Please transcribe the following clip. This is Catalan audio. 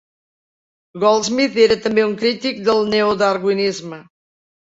Goldsmith era també un crític del neodarwinisme.